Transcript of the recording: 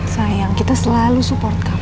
sayang kita selalu support cup